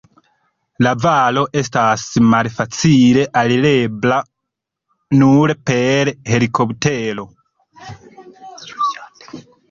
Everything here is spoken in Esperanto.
La valo estas malfacile alirebla, nur per helikoptero.